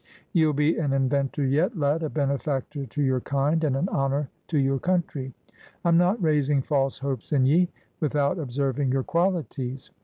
Ye'll be an inventor yet, lad, a benefactor to your kind, and an honor to your country. I'm not raising false hopes in ye, without observing your qualities.